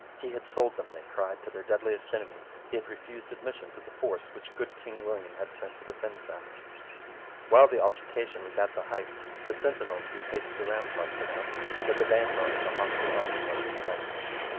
He had sold them, they cried, to their deadliest enemy: he had refused admission to the force which good King William had sent to defend them. While the altercation was at the height, the sentinels who paced the ramparts announced that the vanguard of the hostile army was in sight.